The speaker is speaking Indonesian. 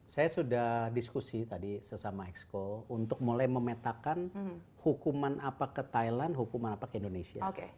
saya sudah diskusi tadi sesama exco untuk mulai memetakan hukuman apa ke thailand hukuman apa ke indonesia